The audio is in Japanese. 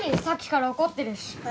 さっきから怒ってるし。